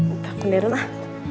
entah aku nyeron lah